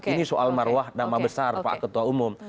ini soal marwah nama besar pak ketua umum